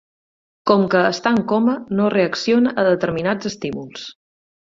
Com que està en coma, no reacciona a determinats estímuls.